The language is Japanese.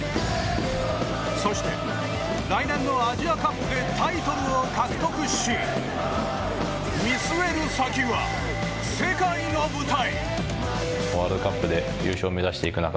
そして、来年のアジアカップでタイトルを獲得し見据える先は、世界の舞台！